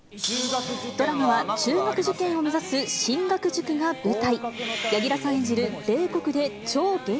ドラマは、中学受験を目指す進学塾が舞台。